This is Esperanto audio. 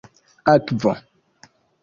akvo